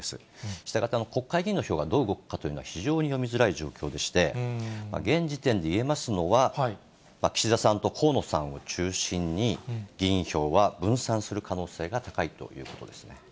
したがって、国会議員の票がどう動くかというのは、非常に読みづらい状況でして、現時点で言えますのは、岸田さんと河野さんを中心に、議員票は分散する可能性が高いということですね。